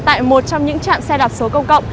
tại một trong những trạm xe đạp số công cộng